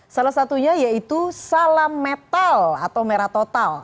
salah satunya yaitu salam metal atau merah total